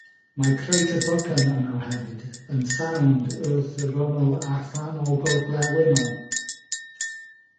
Mae crater bychan yno hefyd, yn sownd wrth yr ymyl allanol gorllewinol.